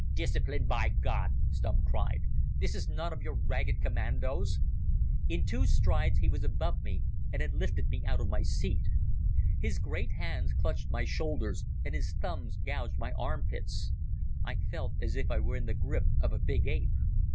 "Discipline, by God," Stumm cried. "This is none of your ragged commandos." In two strides he was above me and had lifted me out of my seat. His great hands clutched my shoulders, and his thumbs gouged my armpits. I felt as if I were in the grip of a big ape.